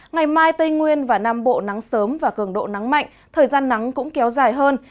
ngày mai tây nguyên và nam bộ nắng sớm và cường độ nắng mạnh thời gian nắng cũng kéo dài hơn